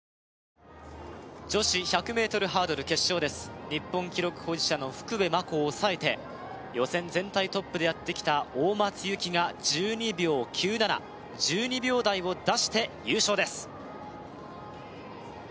女子１００ｍハードル決勝です日本記録保持者の福部真子を抑えて予選全体トップでやってきた大松由季が１２秒９７１２秒台を出して優勝です